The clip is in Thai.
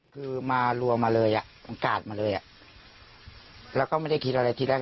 คือมารวมมาเลยอ่ะมันกาดมาเลยอ่ะแล้วก็ไม่ได้คิดอะไรทีแรก